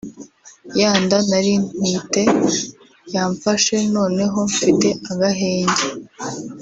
ya nda nari ntwite yamfashe noneho mfite agahenge